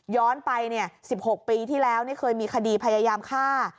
ไป๑๖ปีที่แล้วเคยมีคดีพยายามฆ่า